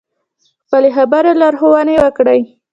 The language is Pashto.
خپلې خبرې او لارښوونې وکړې.